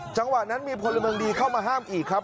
จังหวะนั้นมีพลเมืองดีเข้ามาห้ามอีกครับ